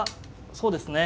そうですね。